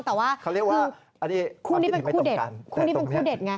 แต่ว่าคู่นี้เป็นคู่เด็ด